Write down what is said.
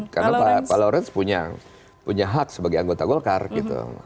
karena pak lohres punya hak sebagai anggota golkar gitu